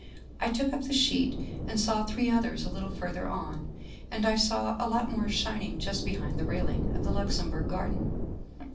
I took up the sheet and saw three others a little further on. And I saw a lot more shining just behind the railing of the Luxem bourg Garden.